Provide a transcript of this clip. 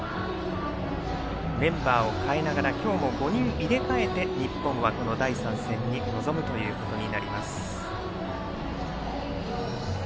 メンバーを代えながら今日も５人、入れ替えて日本はこの第３戦に臨むということになります。